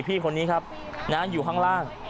พี่คนนี้ครับอยู่ข้างล่าง